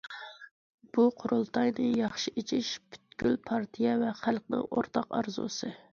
بۇ قۇرۇلتاينى ياخشى ئېچىش پۈتكۈل پارتىيە ۋە خەلقنىڭ ئورتاق ئارزۇسى.